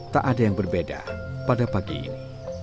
tak ada yang berbeda pada pagi ini